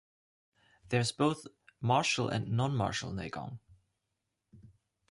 There is both martial and non-martial neigong.